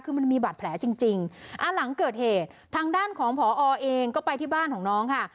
คือมันมีบาดแผลจริงจริงอ่าหลังเกิดเหตุทางด้านของผอเองก็ไปที่บ้านของน้องค่ะ